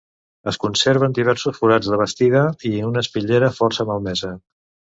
Es conserven diversos forats de bastida i una espitllera força malmesa.